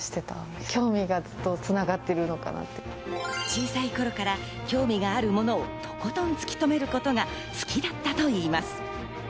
小さい頃から興味があるものをとことん突き詰めることが好きだったといいます。